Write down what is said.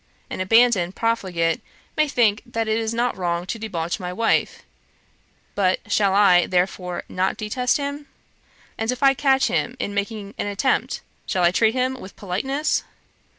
An abandoned profligate may think that it is not wrong to debauch my wife, but shall I, therefore, not detest him? And if I catch him in making an attempt, shall I treat him with politeness?